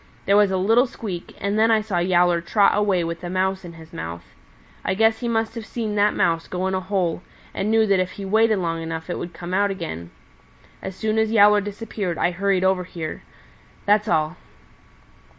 There was a little squeak, and then I saw Yowler trot away with a Mouse in his mouth. I guess he must have seen that Mouse go in a hole and knew that if he waited long enough it would come out again. As soon as Yowler disappeared I hurried over here. That's all."